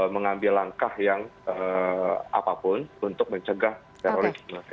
mengambil langkah yang apapun untuk mencegah terorisme